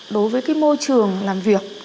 đối với cái môi trường làm việc